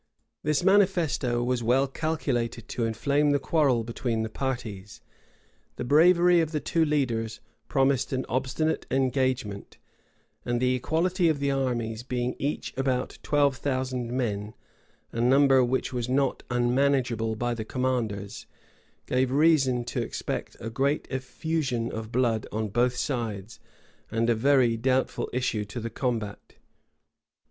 [*] This manifesto was well calculated to inflame the quarrel between the parties: the bravery of the two leaders promised an obstinate engagement; and the equality of the armies, being each about twelve thousand men, a number which was not unmanageable by the commanders, gave reason to expect a great effusion of blood on both sides, and a very doubtful issue to the combat.